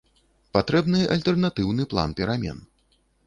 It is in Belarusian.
Патрэбны альтэрнатыўны план перамен.